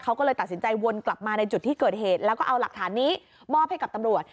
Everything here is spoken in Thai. เขาก็เลยตัดสินใจวนกลับมาในจุดที่เกิดเหตุแล้วก็เอาหลักฐานนี้มอบให้กับตำรวจ